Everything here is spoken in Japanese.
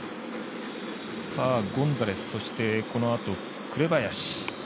ゴンザレス、このあと紅林。